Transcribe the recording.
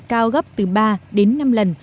cao gấp từ ba đến năm lần